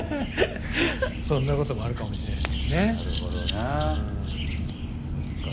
そんなこともあるかもしれないですけどね。